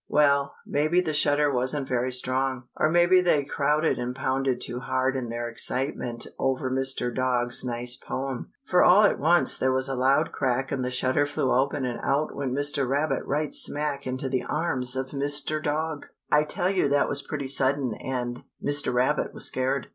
Well, maybe the shutter wasn't very strong, or maybe they crowded and pounded too hard in their excitement over Mr. Dog's nice poem, for all at once there was a loud crack and the shutter flew open and out went Mr. Rabbit right smack into the arms of Mr. Dog! I tell you that was pretty sudden and Mr. Rabbit was scared.